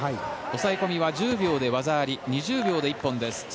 抑え込みは１０秒で技あり２０秒で一本です。